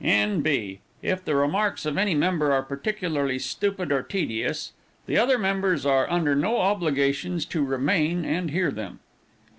N.B. If the remarks of any member are particularly stupid or tedious, the other members are under no obligations to remain and hear them.